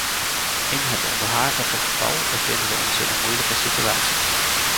In het onderhavige geval bevinden we ons in een moeilijke situatie.